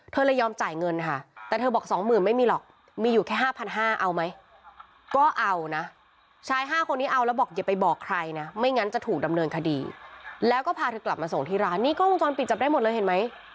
ส่งที่ร้านนี่ก็ต้องจอดปิดจับได้หมดเลยเห็นไหม